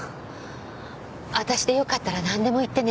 私でよかったら何でも言ってね？